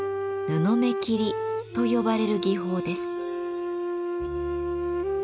布目切りと呼ばれる技法です。